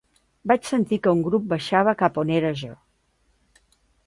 Vaig sentir que un grup baixava cap a on era jo.